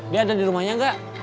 dia ada di rumahnya enggak